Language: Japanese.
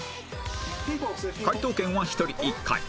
解答権は１人１回